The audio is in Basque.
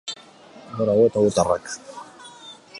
Gora gu eta gutarrak